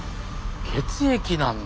血液なんだ。